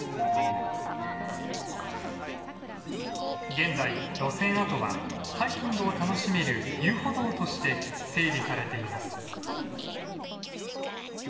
現在路線跡はハイキングを楽しめる遊歩道として整備されています。